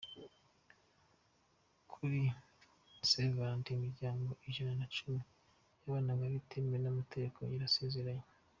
Kuri SeVarate imiryango ijana na cumi yabanaga bitemewe mu mategeko yarasezeranye